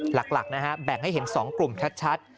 หลักนะฮะแบ่งให้เห็น๒กลุ่มชัด